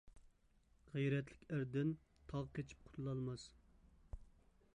غەيرەتلىك ئەردىن تاغ قېچىپ قۇتۇلالماس.